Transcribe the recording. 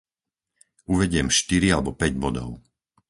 Uvediem štyri alebo päť bodov.